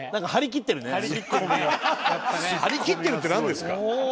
「張り切ってる」ってなんですか？